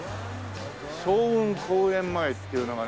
「早雲公園前」っていうのがね